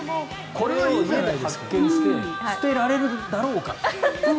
これを発見して捨てられるだろうか。